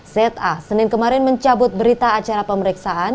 za senin kemarin mencabut berita acara pemeriksaan